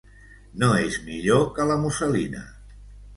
No és millor que la muselina.